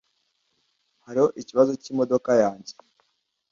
Hariho ikibazo cyimodoka yanjye.